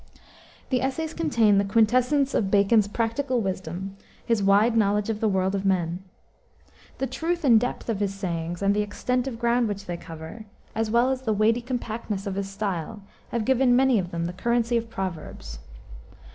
The essays contain the quintessence of Bacon's practical wisdom, his wide knowledge of the world of men. The truth and depth of his sayings, and the extent of ground which they cover, as well as the weighty compactness of his style, have given many of them the currency of proverbs.